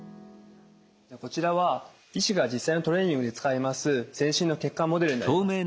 こちらは医師が実際のトレーニングで使います全身の血管モデルになります。